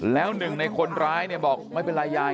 แล้วหนึ่งในคนร้ายเนี่ยบอกไม่เป็นไรยาย